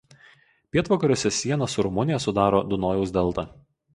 Pietvakariuose sieną su Rumunija sudaro Dunojaus delta.